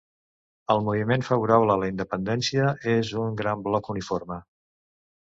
El moviment favorable a la independència és un gran bloc uniforme.